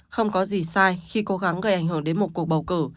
không có gì sai khi cố gắng gây ảnh hưởng đến một cuộc bầu cử